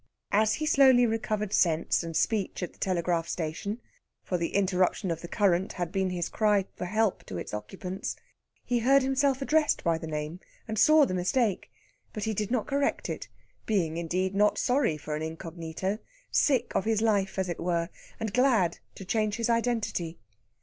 As he slowly recovered sense and speech at the telegraph station for the interruption of the current had been his cry for help to its occupants he heard himself addressed by the name and saw the mistake; but he did not correct it, being, indeed, not sorry for an incognito, sick of his life, as it were, and glad to change his identity.